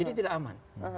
jadi tidak aman